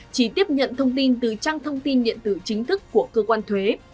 chỉ tiếp nhận thông tin từ trang thông tin điện tử chính thức của cơ quan thuế